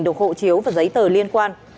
được hộ chiếu và giấy tờ liên quan